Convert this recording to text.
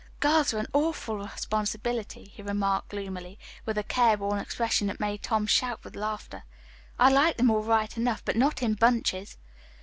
"Girls are an awful responsibility," he remarked gloomily, with a care worn expression that made Tom shout with laughter. "I like them all right enough, but not in bunches."